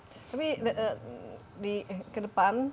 tapi ke depan